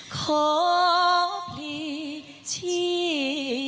ขอผลิตชีพแทน